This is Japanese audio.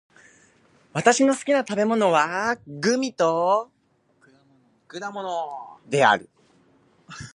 私の好きな食べ物は果物とグミである。